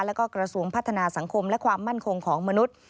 แล้วก็กระทรวงพัฒนาสังคมและความมั่นคงของมนุษย์